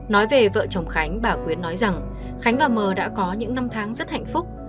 nói về vợ chồng khánh bà quyến nói rằng khánh và mờ đã có những năm tháng rất hạnh phúc